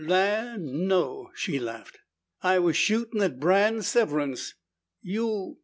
"Land no!" She laughed. "I was shootin' at Brant Severance!" "You